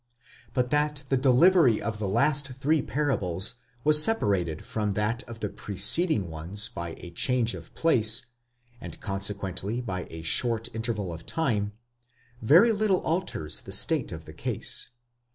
But that the delivery of the last three parables was separated from that of the preceding ones by a change of place, and consequently by a short interval of time, very little alters the state of the case.